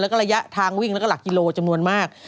แล้วก็ระยะทางวิ่งแล้วก็หลักกิโลจำนวนมาก